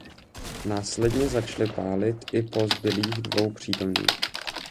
Následně začali pálit i po zbylých dvou přítomných.